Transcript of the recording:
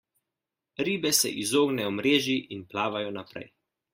Ribe se izognejo mreži in plavajo naprej.